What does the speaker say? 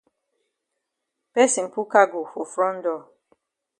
Person put cargo for front door.